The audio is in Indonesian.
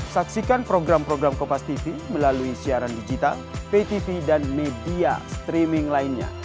saksikan program program kompastv melalui siaran digital ptv dan media streaming lainnya